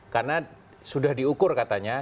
karena sudah diukur katanya